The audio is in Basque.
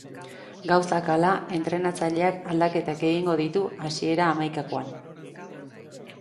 Gauzak hala, entrenatzaileak aldaketak egingo ditu hasiera hamaikakoan.